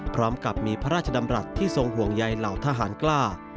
พร้อมกับมีพระราชดำรัฐที่ทรงห่วงใยเหล่าทหารกล้า